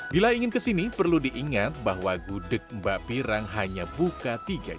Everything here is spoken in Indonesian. bila ingin kesini perlu diingat bahwa gudeg mbak pirang hanya buka tiga jam